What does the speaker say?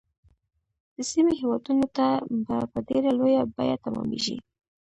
د سیمې هیوادونو ته به په ډیره لویه بیعه تمامیږي.